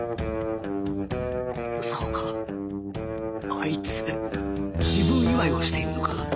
そうかあいつ自分祝いをしているのか